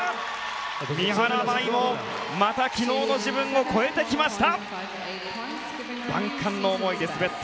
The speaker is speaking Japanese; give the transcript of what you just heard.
三原舞依もまた昨日の自分を超えてきました。